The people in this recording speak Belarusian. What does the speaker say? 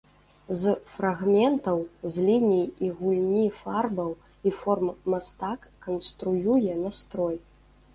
З фрагментаў, з ліній і гульні фарбаў і форм мастак канструюе настрой.